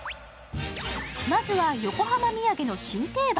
まずは横浜土産の新定番？